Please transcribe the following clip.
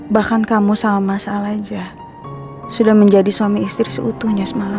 bahkan kamu sama mas alanja sudah menjadi suami istri seutuhnya semalam